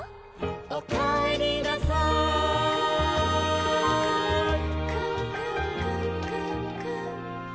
「おかえりなさい」